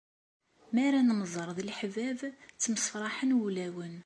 Mi ara nemẓer d leḥbab, ttemsefraḥen wulawen.